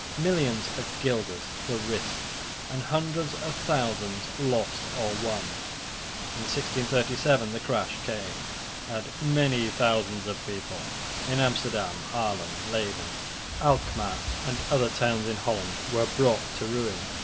Millions of guilders were risked, and hundreds of thousands lost or won. In 1637 the crash came, and many thousands of people, in Amsterdam, Haarlem, Leyden, Alkmaar and other towns in Holland, were brought to ruin.